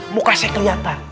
muka saya keliatan